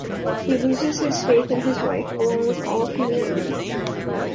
He loses his faith in his wife, along with all of humanity.